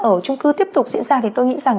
ở trung cư tiếp tục diễn ra thì tôi nghĩ rằng